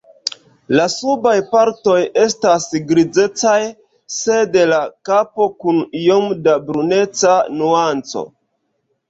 La subaj partoj estas grizecaj, sed la kapo kun iom da bruneca nuanco.